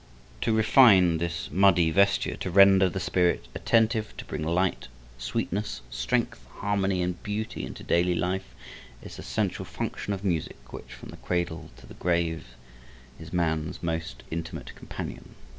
To refine this muddy vesture, to render the spirit attentive, to bring light, sweetness, strength, harmony and beauty into daily life is the central function of music which, from the cradle to the grave, is man's most intimate companion.